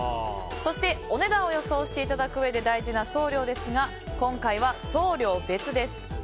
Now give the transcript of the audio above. そしてお値段を予想していただくうえで大事な送料ですが今回は送料別です。